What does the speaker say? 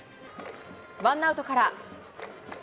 ワンアウトから。